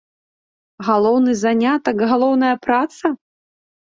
Галоўны занятак, галоўная праца?